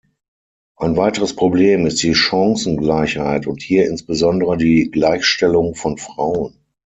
Ein weiteres Problem ist die Chancengleichheit und hier insbesondere die Gleichstellung von Frauen.